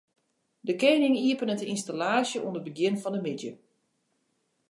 De kening iepenet de ynstallaasje oan it begjin fan de middei.